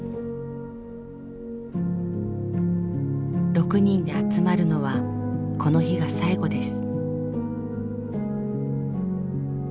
６人で集まるのはこの日が最後です。